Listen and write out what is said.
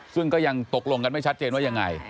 ซึ่งก็ยังตกลงกันไม่ชัดเจนว่ายังไง